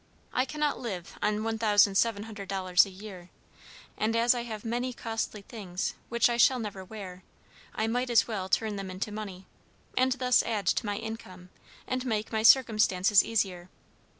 I cannot live on $1,700 a year, and as I have many costly things which I shall never wear, I might as well turn them into money, and thus add to my income, and make my circumstances easier.